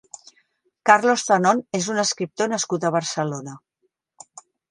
Carlos Zanón és un escriptor nascut a Barcelona.